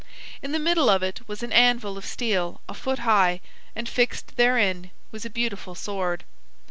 In the middle of it was an anvil of steel a foot high, and fixed therein was a beautiful sword.